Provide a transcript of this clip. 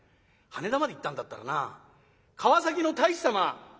羽田まで行ったんだったらな川崎の大師様